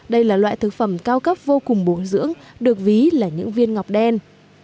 đây là loại thực phẩm cao cấp vô cùng bổ dưỡng được ví là những viên ngọc đen